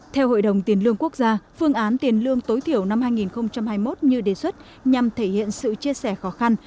theo hội đồng tiền lương quốc gia phương án tiền lương tối thiểu năm hai nghìn hai mươi một như đề xuất nhằm thể hiện sự chia sẻ khó khăn